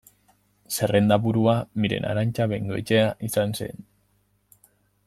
Zerrendaburua Miren Arantza Bengoetxea izan zen.